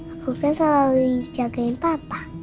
aku kan selalu jagain papa